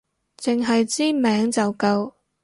淨係知名就夠